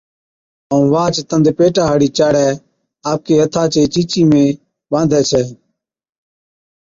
ائُون واھچ تند پيٽا ھاڙِي چاڙَي آپڪِي ھٿا چِي چِيچي ۾ ٻانڌَي ڇَي